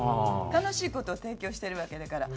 楽しい事を提供してるわけだから。